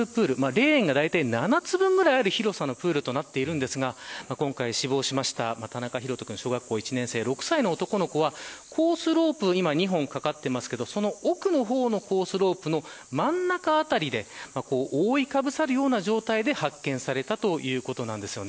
レーンがだいたい７つ分ぐらいある広さのプールですが今回死亡した田中大翔君小学校１年生、６歳の男の子はコースロープ２本かかっていますが奥の方のコースロープの真ん中あたりでおおいかぶさるような状態で発見されたということです。